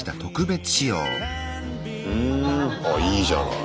ふんあいいじゃない。